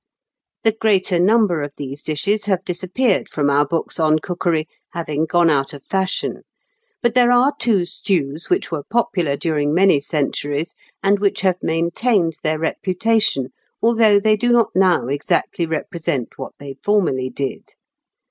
The greater number of these dishes have disappeared from our books on cookery, having gone out of fashion; but there are two stews which were popular during many centuries, and which have maintained their reputation, although they do not now exactly represent what they formerly did.